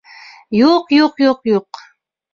— Юҡ, юҡ, юҡ, юҡ!